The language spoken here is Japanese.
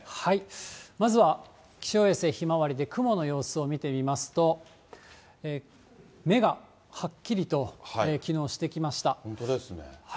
まずは気象衛星ひまわりで雲の様子を見てみますと、目がはっきりと、本当ですね。